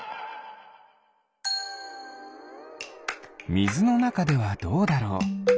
みずのなかではどうだろう？